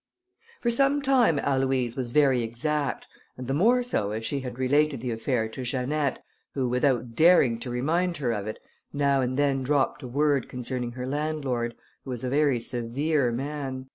For some time Aloïse was very exact, and the more so as she had related the affair to Janette, who without daring to remind her of it, now and then dropped a word concerning her landlord, who was a very severe man.